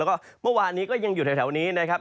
แล้วก็เมื่อวานนี้ก็ยังอยู่แถวนี้นะครับ